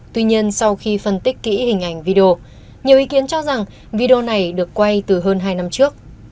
tuy nhiên sau khi phân tích kỹ hình ảnh video nhiều ý kiến cho rằng video này được quay từ hơn hai năm trước